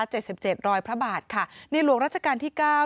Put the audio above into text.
เจ็ดสิบเจ็ดรอยพระบาทค่ะในหลวงราชการที่เก้า